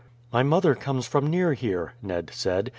"My mother comes from near here," Ned said.